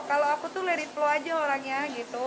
kalau aku tuh larit flow aja orangnya gitu